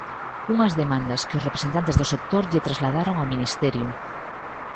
Unhas demandas que os representantes do sector lle trasladaron ao Ministerio.